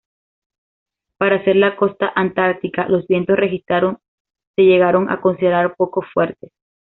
Para ser la costa antártica, los vientos registrados se llegaron a considerar poco fuertes.